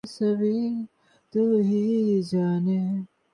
তিনি মার্কিন সেনাবাহিনীর একজন পাঁচ তারকাবিশিষ্ট জেনারেল ছিলেন।